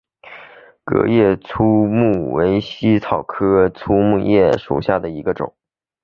革叶粗叶木为茜草科粗叶木属下的一个种。